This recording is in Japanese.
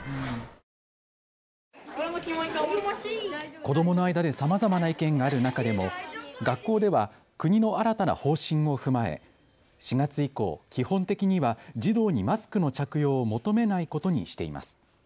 子どもの間でさまざまな意見がある中でも学校では国の新たな方針を踏まえ、４月以降、基本的には児童にマスクの着用を求めないことにしています。